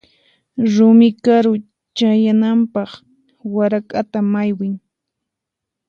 Rumi karu chayananpaq warak'ata maywiy.